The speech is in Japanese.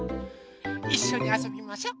いっしょにあそびましょ。